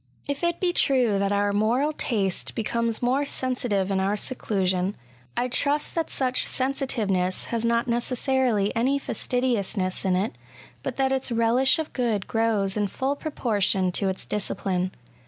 If it be true that our moral taste becomes more sensitive in our seclusion, I trust that such sensitiveness has not necessarily any fastidiousness in it, but that its relish of good grows in full proportion to its discipline.